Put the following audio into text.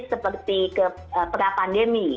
seperti ke pera pandemi